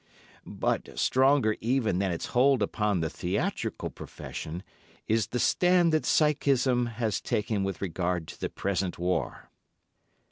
But stronger even than its hold upon the theatrical profession is the stand that psychism has taken with regard to the present war.